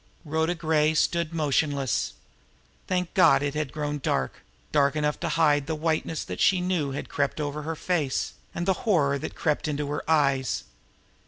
Rhoda Gray stood motionless. Thank God it had grown dark dark enough to hide the whiteness that she knew had crept over her face, and the horror that had crept into her eyes.